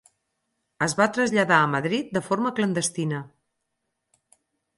Es va traslladar a Madrid de forma clandestina.